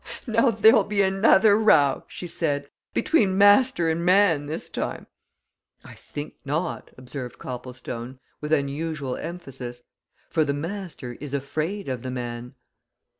"Now there'll be another row!" she said. "Between master and man this time." "I think not!" observed Copplestone, with unusual emphasis. "For the master is afraid of the man."